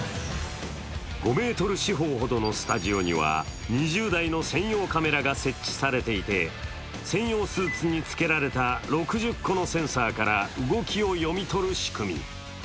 ５ｍ四方ほどのスタジオには２０台の専用カメラが設置されていて、専用スーツにつけられた６０個のセンサーから動きを読み取る仕組み。